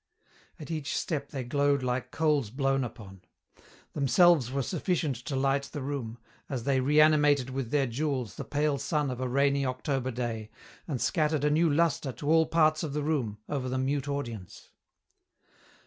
At each step they glowed like coals blown upon. Themselves were sufficient to light the room, as they reanimated with their jewels the pale sun of a rainy October day and scattered a new lustre to all parts of the room, over the mute audience.